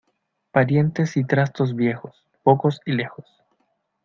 Parientes y trastos viejos, pocos y lejos.